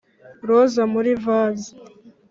roza muri vase